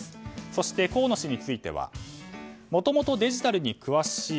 そして河野氏に対してはもともとデジタルに詳しい。